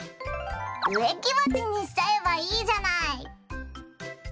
うえきばちにしちゃえばいいじゃない！